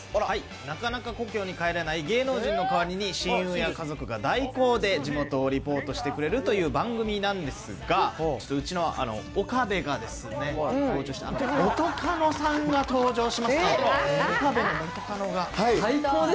なかなか故郷に帰れない芸能人の代わりに、親友や家族が代行で、地元をリポートしてくれるという番組なんですが、ちょっとうちの岡部がですね、元カノさんが登場しますので。